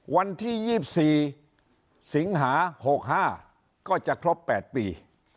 วันที่๒๔สิงหา๖๕ก็จะครบ๘ปี